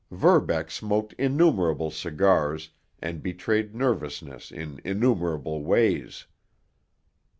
Verbeck smoked innumerable cigars and betrayed nervousness in innumerable ways.